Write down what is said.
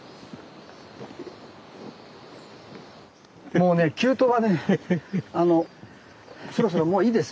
もうね急登はねあのそろそろもういいです。